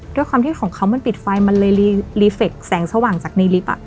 ด้วยความที่ของเขามันปิดไฟมันเลยรีเฟคแสงสว่างจากในลิฟต์